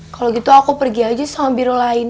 kalo gitu aku pergi aja sama biro lain